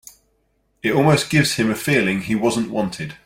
It almost gives him a feeling he wasn't wanted.